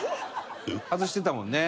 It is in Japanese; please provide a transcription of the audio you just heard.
外してたもんね。